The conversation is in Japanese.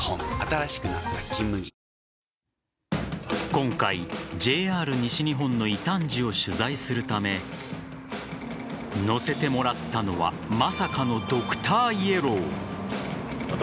今回、ＪＲ西日本の異端児を取材するため乗せてもらったのはまさかのドクターイエロー。